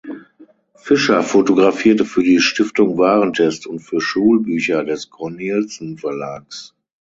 Fischer fotografierte für die Stiftung Warentest und für Schulbücher des Cornelsen Verlags.